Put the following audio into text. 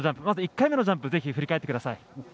まず１回目のジャンプを振り返ってください。